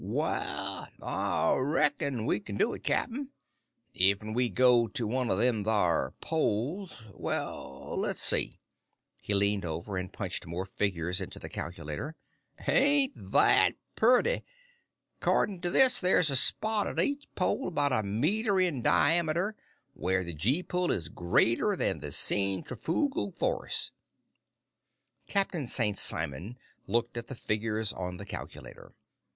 "Waal, Ah reckon we can do it, cap'n. Ef'n we go to the one o' them thar poles ... well, let's see " He leaned over and punched more figures into the calculator. "Ain't that purty! 'Cordin' ter this, thar's a spot at each pole, 'bout a meter in diameter, whar the gee pull is greater than the centry foogle force!" Captain St. Simon looked at the figures on the calculator.